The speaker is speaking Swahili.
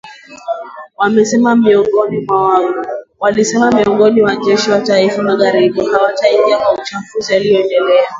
amesema muungano wa kijeshi wa mataifa ya magharibi hautaingilia machafuko yanayoendelea